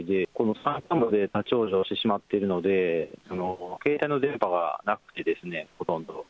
山間部で立往生してしまっているので、携帯の電波がなくて、ほとんど。